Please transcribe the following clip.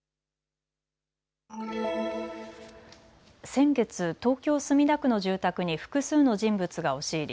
先月、東京墨田区の住宅に複数の人物が押し入り